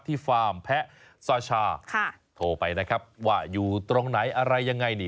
ฟาร์มแพะซาชาโทรไปนะครับว่าอยู่ตรงไหนอะไรยังไงนี่